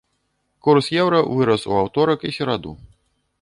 Курс еўра вырас ў аўторак і сераду.